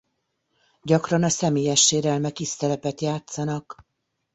Gyakran a személyes sérelmek is szerepet játszanak.